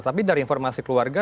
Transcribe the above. tapi dari informasi keluarga